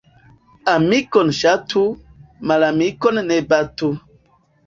Amikon ŝatu, malamikon ne batu.